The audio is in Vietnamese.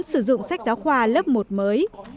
sử dụng sách giáo khoa lớp một mới